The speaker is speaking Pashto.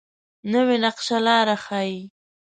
نوې نقشه لاره ښيي